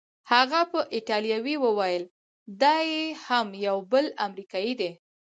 هغه په ایټالوي وویل: دا یې هم یو بل امریکايي دی.